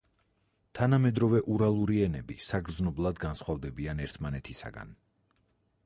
თანამედროვე ურალური ენები საგრძნობლად განსხვავდებიან ერთმანეთისაგან.